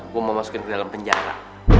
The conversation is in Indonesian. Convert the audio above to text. gue mau masukin ke dalam penjara